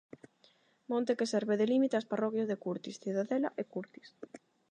Monte que serve de límite ás parroquias de Curtis, Cidadela e Curtis.